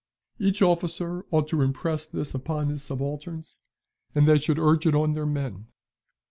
Each officer ought to impress this upon his subalterns and they should urge it on their men.